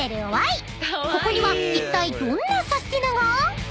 ［ここにはいったいどんなサスティなが？］